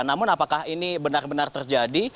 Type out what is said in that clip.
namun apakah ini benar benar terjadi